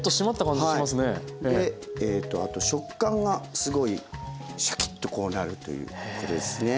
あと食感がすごいシャキッとこうなるということですね。